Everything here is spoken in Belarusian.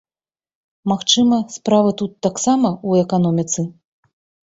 Магчыма, справа тут таксама ў эканоміцы.